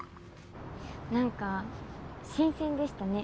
なんか新鮮でしたね。